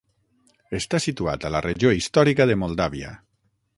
Està situat a la regió històrica de Moldàvia.